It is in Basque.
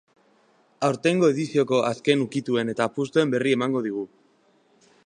Aurtengo edizioko azken ukituen eta apustuen berri emango digu.